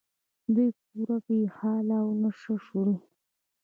دوی پوره بې حاله او نشه شول.